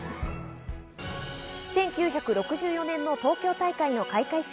１９６４年の東京大会の開会式。